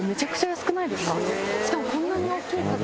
しかもこんなに大きい牡蠣。